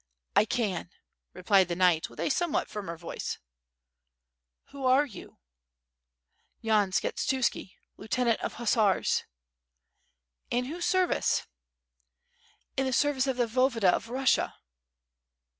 "[ can," replied the knight, with a somewhat firmer voice. "Who are you?" "Yan Skshetuski, Lieutenant of Husser^." .... "In whose service?" "In the service of the Voyevoda of Russia."